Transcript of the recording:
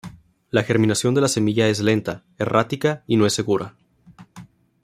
La germinación de la semilla es lenta, errática y no es segura.